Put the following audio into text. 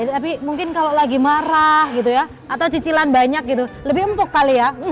tapi mungkin kalau lagi marah gitu ya atau cicilan banyak gitu lebih empuk kali ya